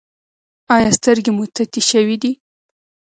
ایا سترګې مو تتې شوې دي؟